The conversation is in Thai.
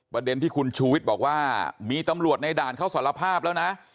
ประเด็นที่คุณชูวิทย์บอกว่ามีตำรวจในด่านเขาสารภาพแล้วนะ